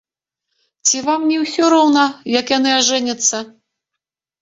Ці нам не ўсё роўна, як яны ажэняцца?